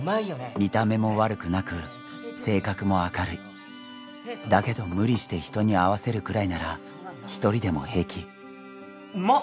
見た目も悪くなく性格も明るいだけど無理して人に合わせるくらいなら１人でも平気うまッ